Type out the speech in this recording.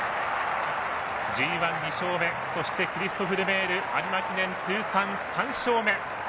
ＧＩ、２勝目そして、クリストフ・ルメール有馬記念、通算３勝目。